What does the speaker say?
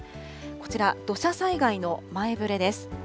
こちら、土砂災害の前ぶれです。